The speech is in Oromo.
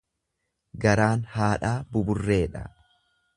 Garaan haadhaa buburreedha.